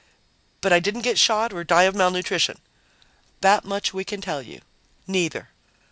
"But I didn't get shot or die of malnutrition?" "That much we can tell you. Neither."